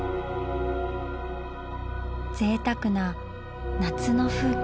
ぜいたくな夏の風景。